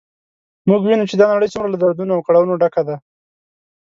موږ وینو چې دا نړی څومره له دردونو او کړاوونو ډکه ده